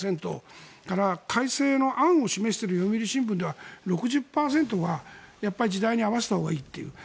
改正の案を示している読売新聞では６０％が時代に合わせたほうがいいという。